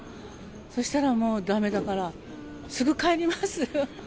そしたらもうだめだから、すぐ帰りますよ。